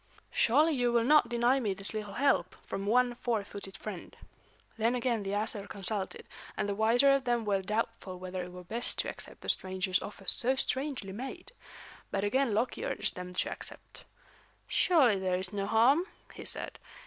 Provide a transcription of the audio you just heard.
Surely, you will not deny me this little help, from one four footed friend." Then again the Æsir consulted, and the wiser of them were doubtful whether it were best to accept the stranger's offer so strangely made. But again Loki urged them to accept. "Surely, there is no harm," he said.